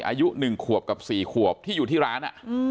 อายุ๑๔ควบพี่อยู่ที่ร้าน